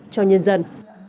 cho nhân dân